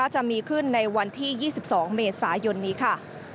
จะมีขึ้นในวันที่๒๒เมษายนนี้ค่ะ